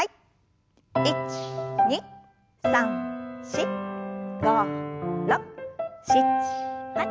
１２３４５６７８。